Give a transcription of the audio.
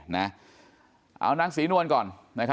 น้างศีนวลก่อน